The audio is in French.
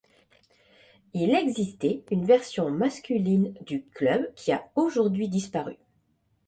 Il existait une version masculine du club qui a aujourd'hui disparue.